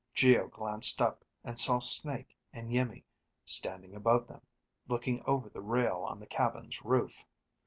Geo glanced up and saw Snake and Iimmi standing above them, looking over the rail on the cabin's roof.